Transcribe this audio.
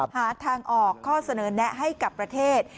หาทางออกข้อเสนอแนะให้กับประเทศ